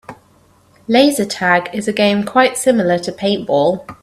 Laser tag is a game quite similar to paintball.